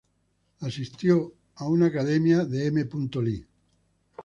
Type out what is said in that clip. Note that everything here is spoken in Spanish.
Asistió a una academia de M. Lee.